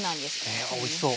へえおいしそう。